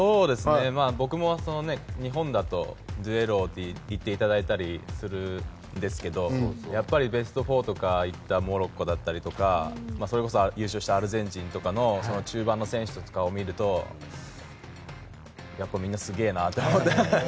僕も日本だとデュエル王と言っていただいたりするんですけどやっぱり、ベスト４に行ったモロッコとか優勝したアルゼンチンなんかの中盤の選手たちを見るとみんな、すげえなと思って。